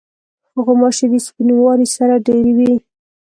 غوماشې د سپینواري سره ډېری وي.